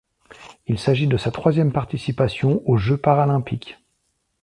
Il s'agit de sa troisième participation aux Jeux paralympiques.